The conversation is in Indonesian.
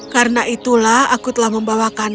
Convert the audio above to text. karena itulah aku telah membawakannya oleh orang tua